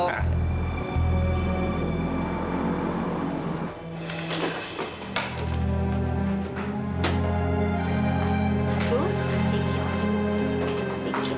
terima kasih oh